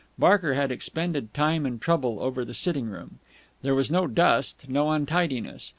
Barker had expended time and trouble over the sitting room. There was no dust, no untidiness.